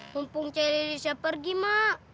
tumpung ce lili saya pergi mak